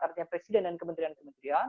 artinya presiden dan kementerian kementerian